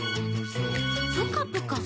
「プカプカ？